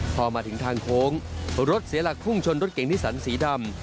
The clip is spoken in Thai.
พอมาถึงทางโค้งรถเสียหลักพุ่งชนรถเก่งนิสันสีดำ